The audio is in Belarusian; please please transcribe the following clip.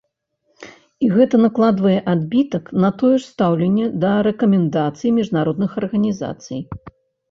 І гэта накладвае адбітак на тое ж стаўленне да рэкамендацый міжнародных арганізацый.